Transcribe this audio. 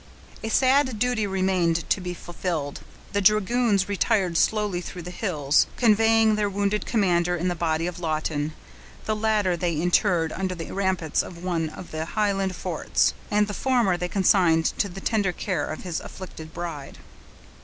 A sad duty remained to be fulfilled. The dragoons retired slowly through the hills, conveying their wounded commander, and the body of Lawton. The latter they interred under the ramparts of one of the Highland forts, and the former they consigned to the tender care of his afflicted bride.